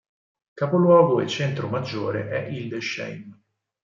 Capoluogo e centro maggiore è Hildesheim.